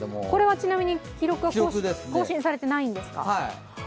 これはちなみに記録は更新されてないんですか。